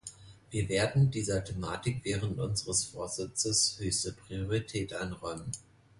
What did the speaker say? Wir werden dieser Thematik während unseres Vorsitzes höchste Priorität einräumen.